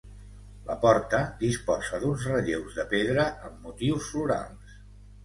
La porta disposa d'uns relleus de pedra amb motius florals.